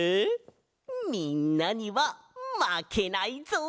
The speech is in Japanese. みんなにはまけないぞ！